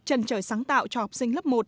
trần trời sáng tạo cho học sinh lớp một